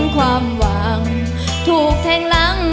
ความหวังถูกแทงหลัง